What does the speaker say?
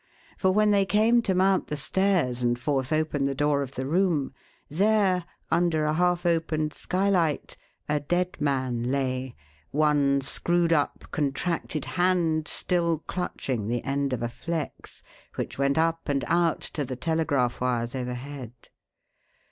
For when they came to mount the stairs and force open the door of the room, there, under a half opened skylight, a dead man lay, one screwed up, contracted hand still clutching the end of a flex, which went up and out to the telegraph wires overhead.